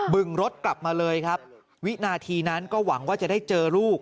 ึงรถกลับมาเลยครับวินาทีนั้นก็หวังว่าจะได้เจอลูก